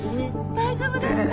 大丈夫ですか？